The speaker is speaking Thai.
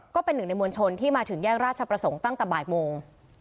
ก็เป็นหนึ่งในมวลชนที่มาถึงแยกราชประสงค์ตั้งแต่บ่ายโมง